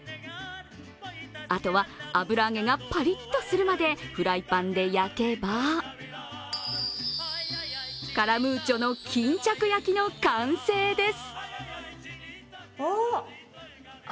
あとは油揚げがパリッとするまでフライパンで焼けばカラムーチョのきんちゃく焼きの完成です。